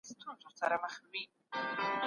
په کتابتون کې د تورو د تصویر اخیستلو اسانتیا سته.